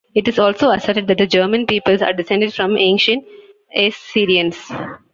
It is also asserted that the German peoples are descended from ancient Assyrians.